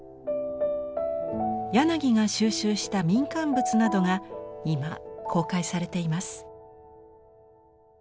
柳が収集した民間仏などが今公開されています。